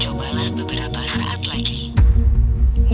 cobalah beberapa saat lagi